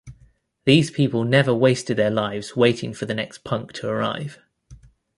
These people never wasted their lives waiting for the next punk to arrive.